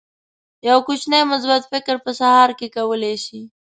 یو کوچنی مثبت فکر په سهار کې کولی شي.